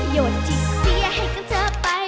โยนทิ้งเสียให้กับเธอไป